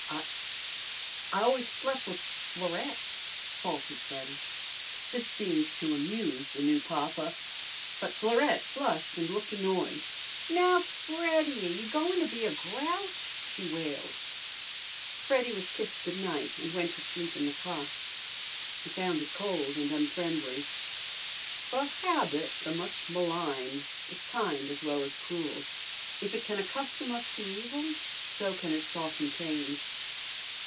"I I always slep' with Florette," faltered Freddy. This seemed to amuse the new papa. But Florette flushed and looked annoyed. "Now, Freddy, are you goin' to be a grouch?" she wailed. Freddy was kissed good night, and went to sleep in the cot. He found it cold and unfriendly. But habit, the much maligned, is kind as well as cruel; if it can accustom us to evil, so can it soften pain.